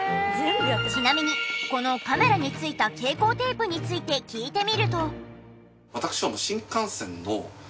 ちなみにこのカメラについた蛍光テープについて聞いてみると。